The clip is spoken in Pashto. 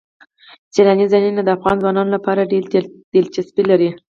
سیلاني ځایونه د افغان ځوانانو لپاره ډېره دلچسپي لري.